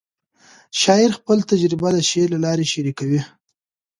شاعر خپل تجربه د شعر له لارې شریکوي.